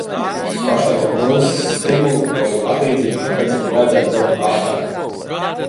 Pašlaik, ar nulles stimulu vai atlīdzību, kāpēc man vajadzētu braukt ātrāk?